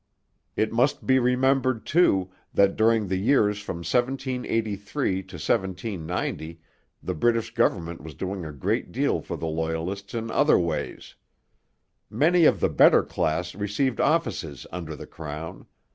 It must be remembered, too, that during the years from 1783 to 1790 the British government was doing a great deal for the Loyalists in other ways. Many of the better class received offices under the crown.